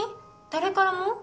誰からも？